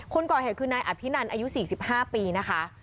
คนก่อเหตุคือนายอภินันอายุ๔๕ปีนะคะ